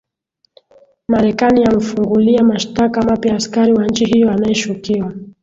marekani ya mfungulia mashtaka mapya askari wa nchi hiyo anayeshukiwa